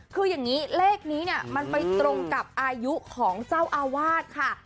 คืออย่างนี้เลขนี้เนี่ยมันไปตรงกับอายุของเจ้าอาวาสค่ะ